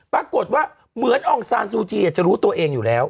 ปรากฏว่าเหมือนอองซานซูจีจะรู้ตัวเองอยู่แล้ว